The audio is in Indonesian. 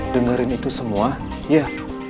dengerin itu semua ya